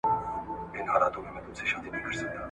بس پرون چي می ویله ,